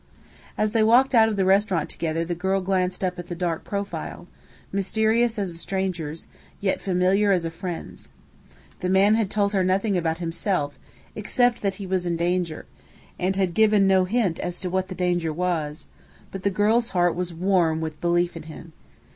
As they walked out of the restaurant together the girl glanced up at the dark profile, mysterious as a stranger's, yet familiar as a friend's. The man had told her nothing about himself except that he was in danger, and had given no hint as to what that danger was; but the girl's heart was warm with belief in him.